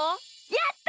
やった！